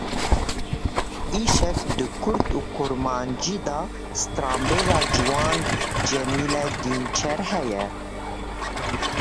Îşev di Kurt û Kurmancî da stranbêja ciwan Cemîle Dînçer heye.